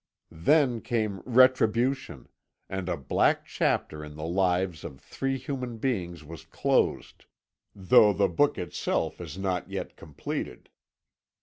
Then came retribution, and a black chapter in the lives of three human beings was closed though the book itself is not yet completed.'